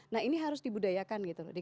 nah ini harus dibudayakan gitu